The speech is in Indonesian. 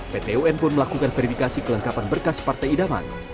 ptun pun melakukan verifikasi kelengkapan berkas partai idaman